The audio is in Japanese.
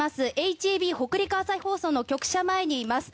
ＨＡＢ・北陸朝日放送の本社前にいます。